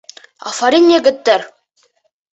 Афарин, егеттәр!